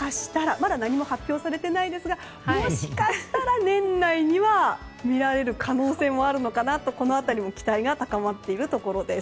まだ何も発表されていませんがもしかしたら年内には見られる可能性もあるのかなと、この辺りも期待が高まっているところです。